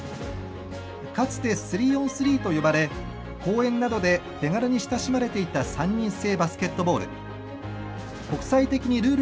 かつて３オン３と呼ばれ公園などで手軽に親しまれていた３人制バスケットボール。